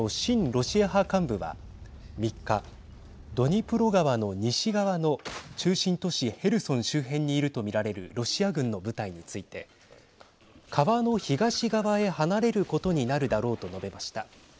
ロシア派幹部は３日、ドニプロ川の西側の中心都市ヘルソン周辺にいると見られるロシア軍の部隊について川の東側へ離れることになるだろうと述べました。